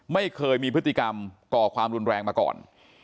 ไม่เคยมีพฤติกรรมก่อความรุนแรงมาก่อน